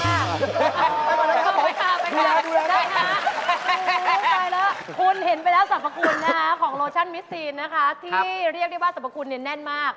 หอยท่าไปค่ะได้ค่ะคุณเห็นไปแล้วสรรพคุณค่ะของโลชั่นมิสซีนนะคะที่เรียกได้ว่าสรรพคุณแน่นมาก